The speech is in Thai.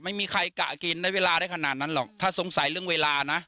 ไม่มีใครกะกินได้เวลาได้ขนาดนั้นหรอกถ้าสงสัยเรื่องเวลานะ